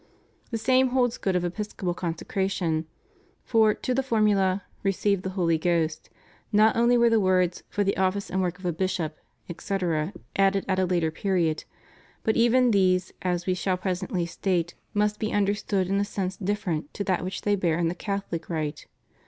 The same holds good of Episcopal consecration. For to the formula "Receive the Holy Ghost" not only were the words "for the office and work of a bishop," etc., added at a later period, but even these, as we shall presently state, must be understood in a sense different to that which they bear in the Catholic rite.